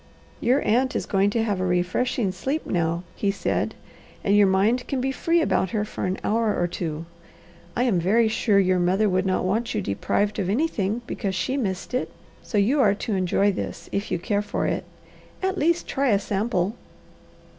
"Your aunt is going to have a refreshing sleep now," he said, "and your mind can be free about her for an hour or two. I am very sure your mother would not want you deprived of anything because she missed it, so you are to enjoy this, if you care for it. At least try a sample."